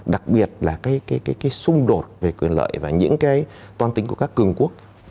đặc biệt là cái xung đột về quyền lợi và những cái toan tính của các cường quốc